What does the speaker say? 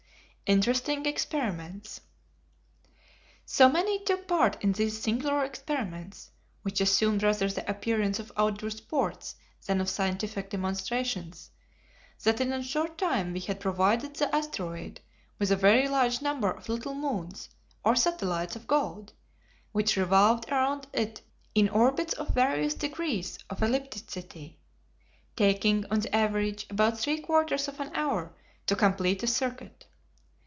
Interesting Experiments. So many took part in these singular experiments, which assumed rather the appearance of outdoor sports than of scientific demonstrations, that in a short time we had provided the asteroid with a very large number of little moons, or satellites, of gold, which revolved around it in orbits of various degrees of ellipticity, taking, on the average, about three quarters of an hour to complete a circuit.